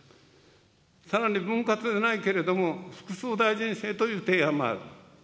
さらに分割でないけれども、複数大臣制という提案もある。